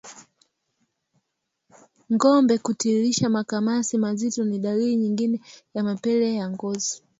Ngombe kutiririsha makamasi mazito ni dalili nyingine ya mapele ya ngozi